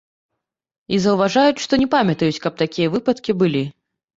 І заўважаюць, што не памятаюць, каб такія выпадкі былі.